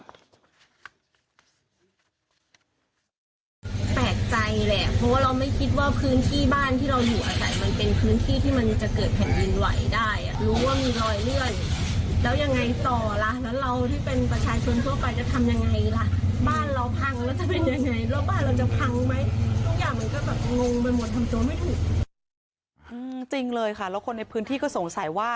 แปลกใจแหละเพราะว่าเราไม่คิดว่าพื้นที่บ้านที่เราอยู่อาศัยมันเป็นพื้นที่ที่มันจะเกิดแผ่นดินไหวได้อ่ะ